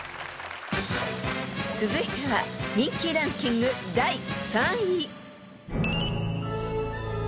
［続いては人気ランキング第３位］